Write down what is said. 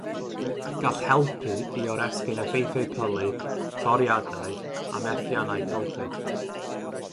Gall helpu i oresgyn effeithiau pylu, toriadau a methiannau cylched.